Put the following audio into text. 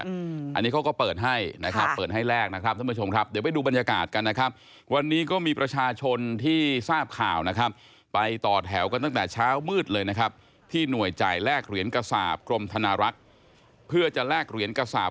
อันนี้เขาก็เปิดให้เปิดให้แลกนะครับท่านผู้ชมครับ